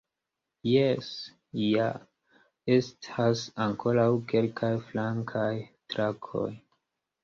Jes ja, estas ankoraŭ kelkaj flankaj trakoj.